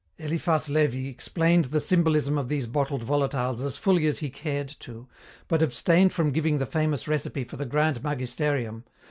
Eliphas Levi explained the symbolism of these bottled volatiles as fully as he cared to, but abstained from giving the famous recipe for the grand magisterium.